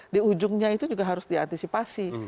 di ujungnya itu juga harus diantisipasi